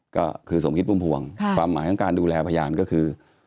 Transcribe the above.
ก็คือสมคิดพุ่มพวงความหมายของการดูแลพยานก็คือ